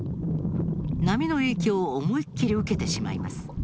波の影響を思いっきり受けてしまいます。